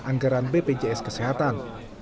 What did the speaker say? anggaran bpjs kesehatan